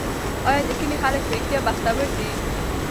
آیا د کلي خلک په رښتیا بختور دي؟